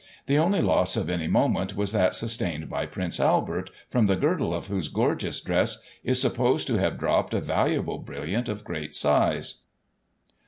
The only loss of any moment was that sustained by Prince Albert, from the girdle of whose gorgeous dress, is supposed to have dropped a valuable brilhant of gi:eat size.